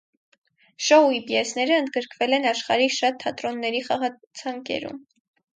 Շոուի պիեսները ընդգրկվել են աշխարհի շատ թատրոնների խաղացանկերում։